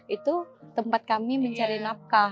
itu tempat kami mencari nafkah